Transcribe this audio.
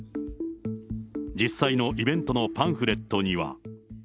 実際のイベントのパンフレットには。